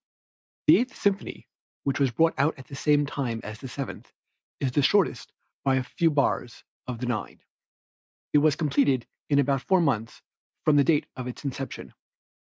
The Eighth Symphony which was brought out at the same time as the Seventh is the shortest by a few bars, of the nine. It was completed in about four months from the date of its inception.